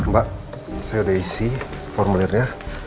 mbak saya udah isi formulirnya